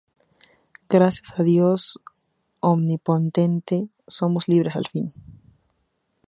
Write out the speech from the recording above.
Gracias a Dios omnipotente, ¡somos libres al fin!".